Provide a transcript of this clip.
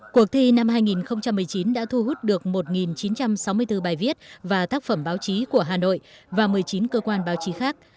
cuộc thi năm hai nghìn một mươi chín đã thu hút được một chín trăm sáu mươi bốn bài viết và tác phẩm báo chí của hà nội và một mươi chín cơ quan báo chí khác